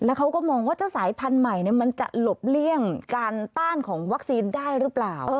เขาก็มองว่าเจ้าสายพันธุ์ใหม่มันจะหลบเลี่ยงการต้านของวัคซีนได้หรือเปล่า